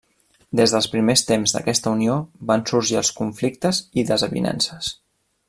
Des dels primers temps d'aquesta unió van sorgir els conflictes i desavinences.